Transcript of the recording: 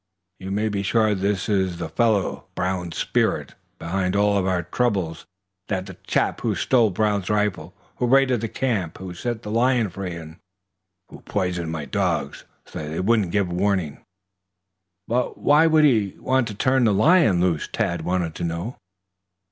"You may be sure this is the fellow, Brown's 'spirit,' behind all our troubles. He's the chap who stole Brown's rifle, who raided this camp, who set the lion free and who poisoned my dogs so they wouldn't give warning." "But why should he want to turn the lion loose?" Tad wanted to know.